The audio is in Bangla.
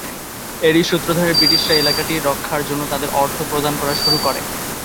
এরই সূত্র ধরে ব্রিটিশরা এলাকাটি রক্ষার জন্য তাদের অর্থ প্রদান করা শুরু করে।